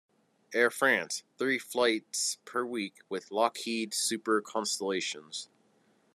Air France - three flights per week, with Lockheed Super Constellations.